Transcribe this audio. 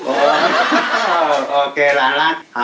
โอ้โหโอเคร้านรัก